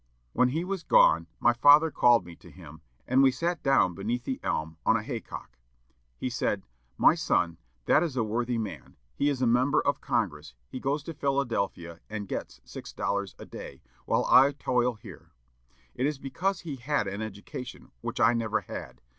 When he was gone, my father called me to him, and we sat down beneath the elm, on a haycock. He said, 'My son, that is a worthy man; he is a member of Congress; he goes to Philadelphia, and gets six dollars a day, while I toil here. It is because he had an education, which I never had.